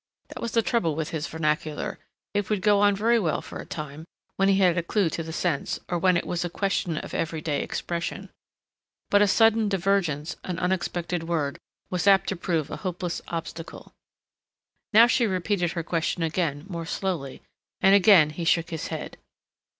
That was the trouble with his vernacular. It would go on very well for a time, when he had a clue to the sense, or when it was a question of every day expression, but a sudden divergence, an unexpected word, was apt to prove a hopeless obstacle. Now she repeated her question again, more slowly, and again he shook his head.